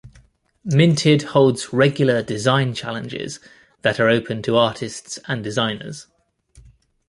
Minted holds regular design challenges that are open to artists and designers.